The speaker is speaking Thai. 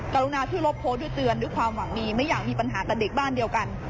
กรุณาที่ลบโพสต์ด้วยเตือนด้วยความหวังมีไม่อยากมีปัญหากับเด็กบ้านเดียวกัน